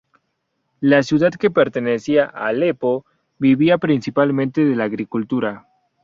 La ciudad, que pertenecía a Alepo, vivía principalmente de la agricultura.